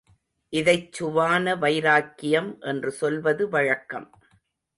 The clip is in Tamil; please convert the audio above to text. இதைச் சுவான வைராக்கியம் என்று சொல்வது வழக்கம்.